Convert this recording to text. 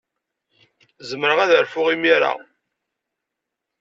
Zemreɣ ad rfuɣ imir-a?